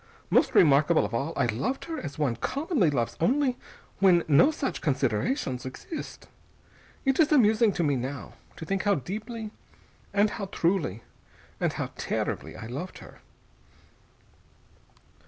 Most remarkable of all, I loved her as one commonly loves only when no such considerations exist. It is amusing to me now, to think how deeply, and how truly, and how terribly I loved her...."